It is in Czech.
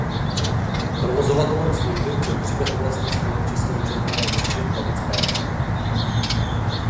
Provozovatelem služby byl dříve Oblastní spolek Českého červeného kříže Hradec Králové.